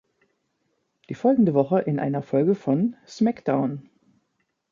Die folgende Woche in einer Folge von SmackDown!